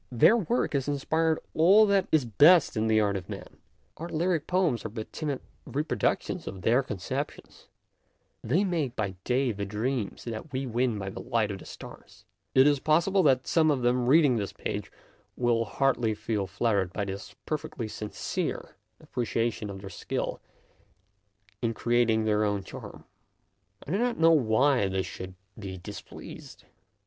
Their work has inspired all that 132 MONOLOGUES is best in the art of man ; our lyric poems are but timid reproductions of their concep tions ; they make by day the dreams that we win by the light of the stars. It is pos sible that some of them reading this page will hardly feel flattered by this perfectly sincere appreciation of their skill in creat ing their own charm. I do not know why they should be displeased.